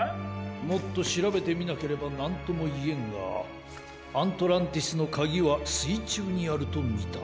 もっとしらべてみなければなんともいえんがアントランティスのかぎはすいちゅうにあるとみた。